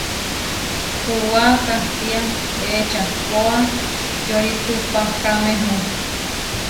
Puúa kátia ečahpóa yoritupakámehu.